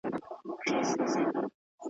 د خرڅ خوراک د برابرولو لپاره `